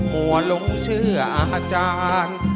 หัวหลงเชื่ออาจารย์